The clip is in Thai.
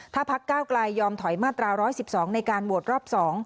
ถ้าพักก้าวกลายยอมถอยมาตรา๑๑๒ในการโหวตรอบ๒